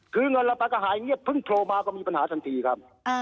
คือเงินเราไปก็หายเงียบเพิ่งโทรมาก็มีปัญหาทันทีครับ